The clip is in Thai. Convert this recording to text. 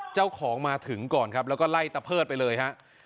เจ้าของมาถึงก่อนครับแล้วก็ไล่ตะเพิดไปเลยฮะ